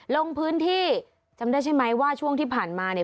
ลงพื้นที่จำได้ใช่ไหมว่าช่วงที่ผ่านมาเนี่ย